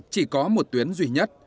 chỉ có một tuyến duy nhất